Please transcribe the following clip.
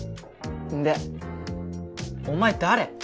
んでお前誰？